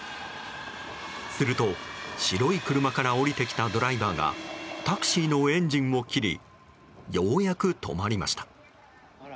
すると、白い車から降りてきたドライバーがタクシーのエンジンを切りようやく止まりました。